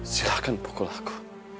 silahkan pukul aku